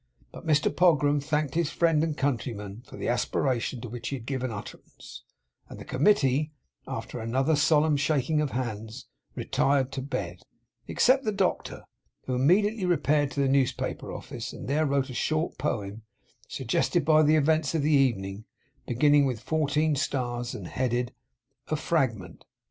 But Mr Pogram thanked his friend and countryman for the aspiration to which he had given utterance, and the Committee, after another solemn shaking of hands, retired to bed, except the Doctor; who immediately repaired to the newspaper office, and there wrote a short poem suggested by the events of the evening, beginning with fourteen stars, and headed, 'A Fragment.